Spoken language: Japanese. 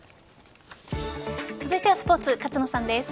続いてはスポーツ勝野さんです。